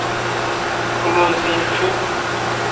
Klozincu.